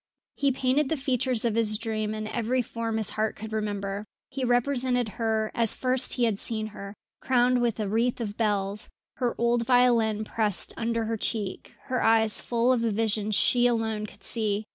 He painted the features of his dream in every form his heart could remember. He represented her as first he had seen her, crowned with a wreath of bells, her old violin pressed under her cheek, her eyes full of the visions she alone could see.